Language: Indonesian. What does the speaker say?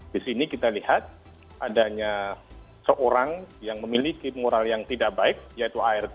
di sini kita lihat adanya seorang yang memiliki moral yang tidak baik yaitu art